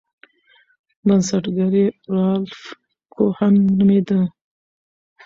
بنسټګر یې رالف کوهن نومیده.